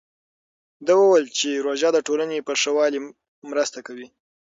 ده وویل چې روژه د ټولنې په ښه والي مرسته کوي.